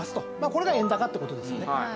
これが円高って事ですよね。